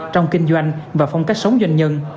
trong kinh doanh và phong cách sống doanh nhân